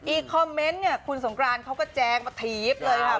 อีกคอมเมนต์เนี่ยคุณสงกรานเขาก็แจงมาถีบเลยค่ะ